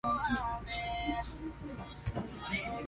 Over the years, each subsequent film crew has left its mark on the town.